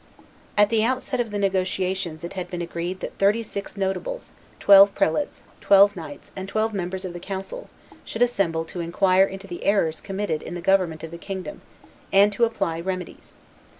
At the outset of the negotiations it had been agreed that thirty six notables, twelve prelates, twelve knights, and twelve members of the council, should assemble to inquire into the errors committed in the government of the kingdom, and to apply remedies.